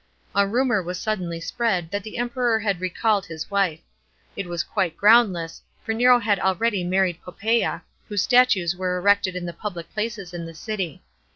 A rumour was suddenly spread that the Emperor had recalled his wife. It was quite groundless, for Nero had already married Poppsea, whose statues were erected in tlie public places in the city.